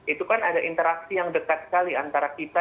itu kan ada interaksi yang dekat sekali antara kita